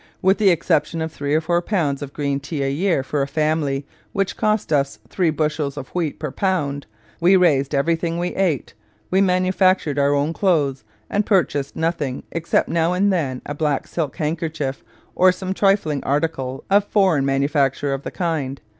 With the exception of three or four pounds of green tea a year for a family, which cost us three bushels of wheat per pound, we raised everything we ate. We manufactured our own clothes and purchased nothing except now and then a black silk handkerchief or some trifling article of foreign manufacture of the kind.